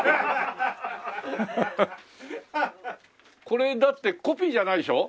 これだってコピーじゃないでしょ？